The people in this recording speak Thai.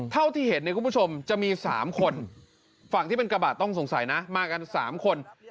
เท่าที่เห็นเนี่ยคุณผู้ชมจะมี๓คนฝั่งที่เป็นกระบาดต้องสงสัยนะมากัน๓คน